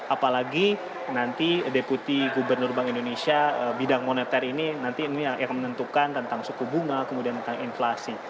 apalagi nanti deputi gubernur bank indonesia bidang moneter ini nanti ini akan menentukan tentang suku bunga kemudian tentang inflasi